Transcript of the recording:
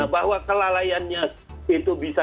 bahwa kelalaiannya itu bisa